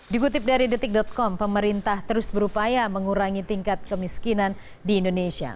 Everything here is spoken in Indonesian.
dikutip dari detik com pemerintah terus berupaya mengurangi tingkat kemiskinan di indonesia